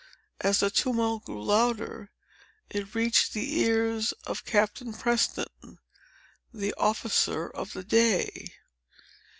As the tumult grew louder, it reached the ears of Captain Preston, the officer of the day.